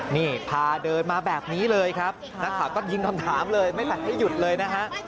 นี่พาเดินมาแบบนี้เลยครับนักข่าวก็ยิงคำถามเลยไม่อยากให้หยุดเลยนะฮะ